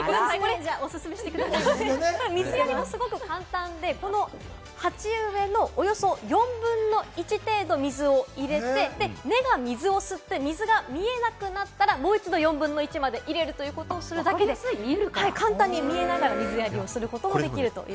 水やりも、すごく簡単で、鉢植えのおよそ４分の１程度の水を入れて、根が水を吸って水が見えなくなったら、もう一度４分の１まで入れるということをするだけで、簡単に見えながら水やりをすることもできます。